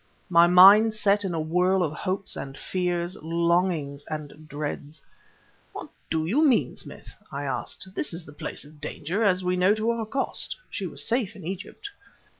My mind set in a whirl of hopes and fears, longings and dreads. "What do you mean, Smith?" I asked. "This is the place of danger, as we know to our cost; she was safe in Egypt."